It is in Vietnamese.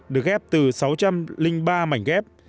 được ghép từ sáu trăm linh ba mảnh ghép